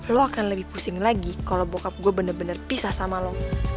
lo akan lebih pusing lagi kalau bokap gue bener bener pisah sama lo